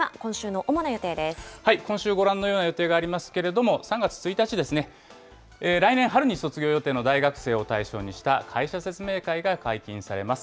今週、ご覧のような予定がありますけれども、３月１日ですね、来年春に卒業予定の大学生を対象にした会社説明会が解禁されます。